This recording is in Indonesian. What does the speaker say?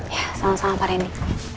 ya sama sama pak reni